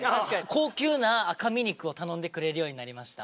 高級な赤身肉を頼んでくれるようになりました。